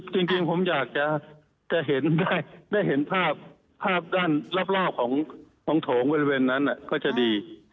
จริงผมอยากจะเห็นได้เห็นภาพภาพด้านรอบของโถงบริเวณนั้นก็จะดี